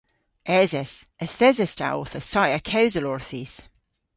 Eses. Yth eses ta owth assaya kewsel orthis.